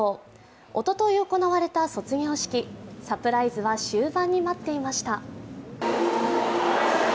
おととい行われた卒業式サプライズは終盤に待っていました。